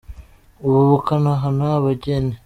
ubu bakanahana abageni.